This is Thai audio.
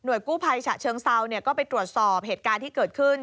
กู้ภัยฉะเชิงเซาก็ไปตรวจสอบเหตุการณ์ที่เกิดขึ้น